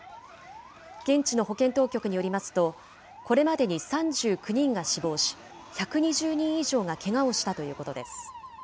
現地の保健当局によりますと、これまでに３９人が死亡し、１２０人以上がけがをしたということです。